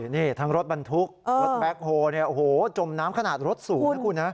นี่ทั้งรถบรรทุกรถแบคโฮล์จมน้ำขนาดรถสูงนะคุณ